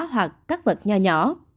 hoặc các vật nhỏ nhỏ